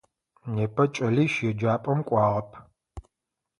Непэ кӏэлищ еджапӏэм кӏуагъэп.